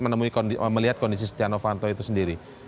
melihat kondisi setia novanto itu sendiri